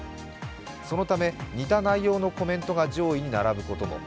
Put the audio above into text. そのため似た内容のコメントが上位に並ぶことも。